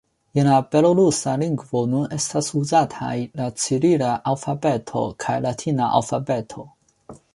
En la belorusa lingvo nun estas uzataj la cirila alfabeto kaj latina alfabeto.